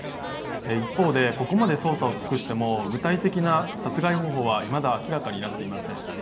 一方で、ここまで捜査を尽くしても具体的な殺害方法はいまだ明らかになっていません。